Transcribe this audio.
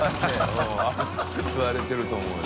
Δ言われてると思うよ。